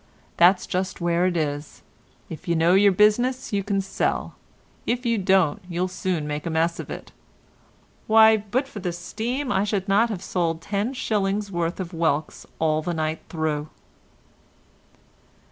That's just where it is; if you know your business you can sell, if you don't you'll soon make a mess of it. Why, but for the steam, I should not have sold 10s. worth of whelks all the night through."